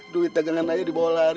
duit dagangan ayo dibawa lari